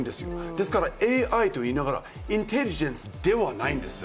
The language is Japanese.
ですからＡＩといいながらインテリジェンスではないんです。